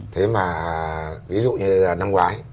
thế mà ví dụ như năm ngoái